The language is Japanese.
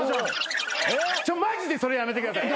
マジでそれやめてください！